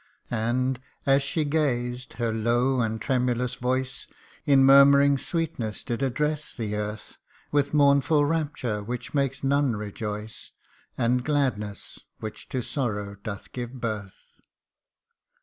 And, as she gazed, her low and tremulous voice In murmuring sweetness did address the earth, D 50 THEf UN DYING ONE. With mournful rapture, which makes none rejoice ; And gladness, which to sorrow doth give birth.